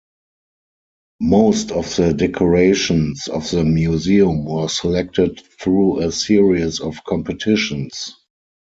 Most of the decorations of the museum were selected through a series of competitions.